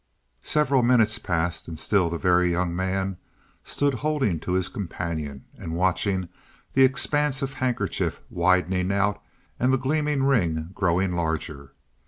Several minutes passed, and still the Very Young Man stood holding to his companion, and watching the expanse of handkerchief widening out and the gleaming ring growing larger.